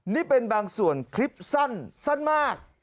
นี่เป็นบางส่วนคลิปสั้นมาก